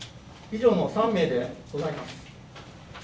以上の３名でございます。